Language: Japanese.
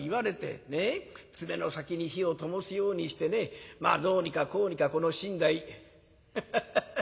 爪の先に火をともすようにしてねまあどうにかこうにかこの身代。ハハハハハ。